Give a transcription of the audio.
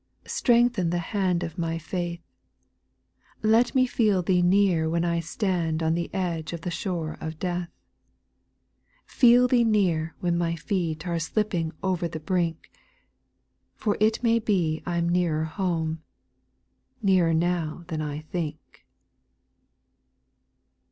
Strengthen the hand of my faith ; Let me feel Thee near when I stand On the edge of the shore of death : 6. Feel Thee near when my feet Are slipping over the brink ; For it may be I'm nearer home Nearer now than I think.